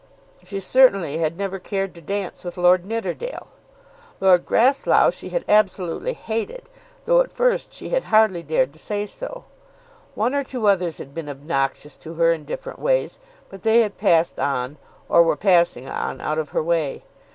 She certainly had never cared to dance with Lord Nidderdale. Lord Grasslough she had absolutely hated, though at first she had hardly dared to say so. One or two others had been obnoxious to her in different ways, but they had passed on, or were passing on, out of her way.